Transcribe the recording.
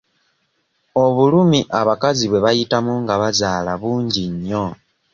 Obulumi abakazi bwe bayitamu nga bazaala bungi nnyo.